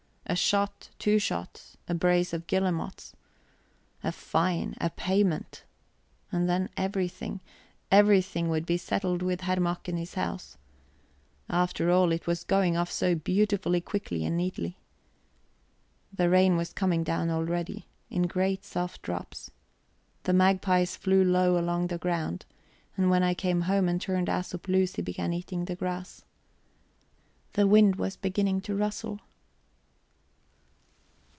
A shot, two shots, a brace of guillemots a fine, a payment. And then everything, everything, would be settled with Herr Mack and his house. After all, it was going off so beautifully quickly and neatly... The rain was coming down already, in great soft drops. The magpies flew low along the ground, and when I came home and turned Æsop loose he began eating the grass. The wind was beginning to rustle.